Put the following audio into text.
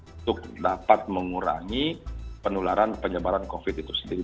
untuk dapat mengurangi penularan penyebaran covid itu sendiri